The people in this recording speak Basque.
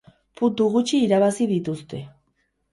Puntu gutxi irabazi dituzte.